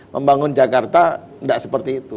membangun jakarta tidak seperti itu